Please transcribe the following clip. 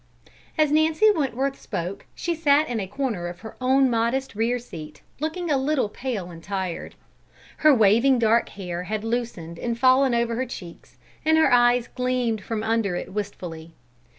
As Nancy Wentworth spoke, she sat in a corner of her own modest rear seat, looking a little pale and tired. Her waving dark hair had loosened and fallen over her cheeks, and her eyes gleamed from under it wistfully.